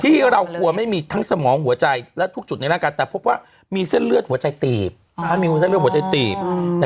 ที่เรากลัวไม่มีทั้งสมองหัวใจและทุกจุดในร่างการแต่พบว่ามีเส้นเลือดหัวใจตีบ